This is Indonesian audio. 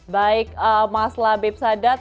baik mas labib sadat